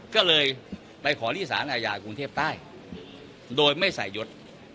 ก็เลยไปขอที่สารอาญากรุงเทพใต้โดยไม่ใส่ยศ